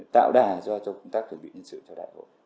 tạo đà do cho công tác chuẩn bị nhân sự cho đại hội